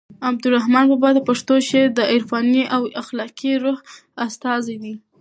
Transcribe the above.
عبدالرحمان بابا د پښتو شعر د عرفاني او اخلاقي روح استازی دی.